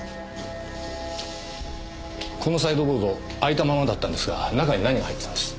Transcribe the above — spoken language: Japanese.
このサイドボード開いたままだったんですが中に何が入ってたんです？